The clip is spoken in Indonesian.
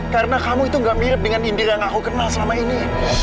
karena kamu itu gak mirip dengan indira yang aku kenal selama ini